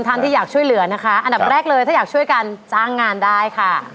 ท่านที่อยากช่วยเหลือนะคะอันดับแรกเลยถ้าอยากช่วยกันจ้างงานได้ค่ะ